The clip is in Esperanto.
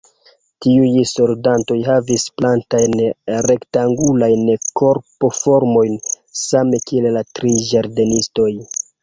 Tiuj soldatoj havis platajn rektangulajn korpformojn—same kiel la tri ĝardenistoj.